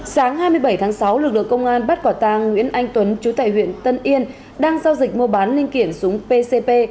sáng hai mươi bảy tháng sáu lực lượng công an bắt quả tàng nguyễn anh tuấn chú tại huyện tân yên đang giao dịch mua bán linh kiện súng pcp